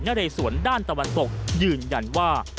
เรสวนด้านตะวันตกยืนยันว่า